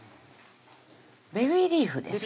ベビーリーフです